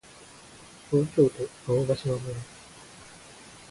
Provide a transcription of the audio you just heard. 東京都青ヶ島村